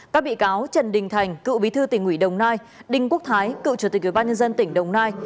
các bị cáo trần đình thành cựu bí thư tỉnh nguyễn đồng nai đinh quốc thái cựu chủ tịch ubnd tỉnh đồng nai